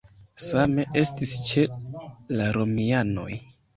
Same estis ĉe la romianoj.